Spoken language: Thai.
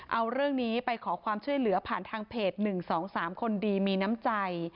เอาเรื่องนี้ไปขอความช่วยเหลือผ่านทางเพจ๑๒๓คนดีมีน้ำใจ